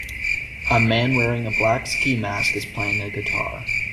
A man wearing a black ski mask is playing a guitar.